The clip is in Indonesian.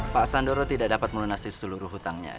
pak sandoro tidak dapat melunasi seluruh hutangnya